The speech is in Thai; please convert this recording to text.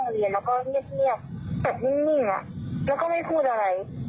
แล้วก็ไม่พูดอะไร